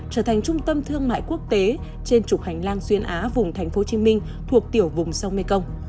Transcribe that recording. trở thành trung tâm thương mại quốc tế trên trục hành lang xuyên á vùng tp hcm thuộc tiểu vùng sông mekong